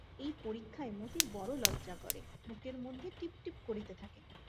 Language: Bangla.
এ পরীক্ষায় মতির বড় লজ্জা করে, বুকের মধ্যে টিপটিপ করিতে থাকে।